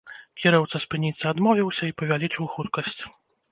Кіроўца спыніцца адмовіўся і павялічыў хуткасць.